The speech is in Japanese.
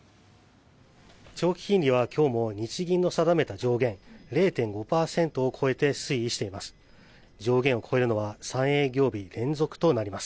長期金利は今日も日銀の定めた上限０．５％を超えて推移しています。